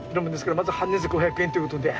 まず半日５００円ということで。